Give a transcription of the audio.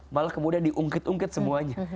malah kemudian diungkit ungkit semuanya